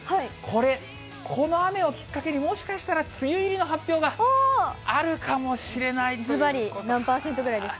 これ、この雨をきっかけにもしかしたら、梅雨入りの発表があるかもしれないということで。